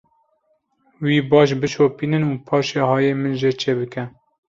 Wî baş bişopînin û paşê hayê min jê çêbike.